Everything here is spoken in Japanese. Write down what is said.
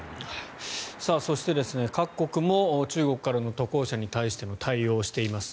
そして各国も中国からの渡航者に対しての対応をしています。